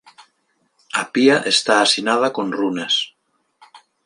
A pía está asinada con runas.